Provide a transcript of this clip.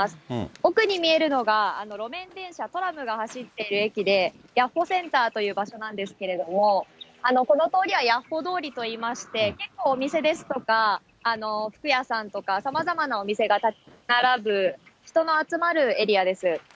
奥に見えるのが路面電車、トラムが走っている駅で、ヤッフォ・センターという場所なんですけれども、この通りはヤッフォ通りといいまして、結構お店ですとか、服屋さんとかさまざまなお店が建ち並ぶ、人の集まるエリアです。